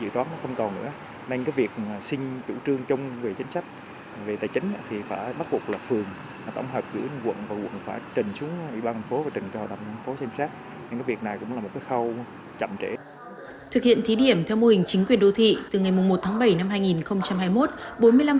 thực hiện thí điểm theo mô hình chính quyền đô thị từ ngày một tháng bảy năm hai nghìn hai mươi một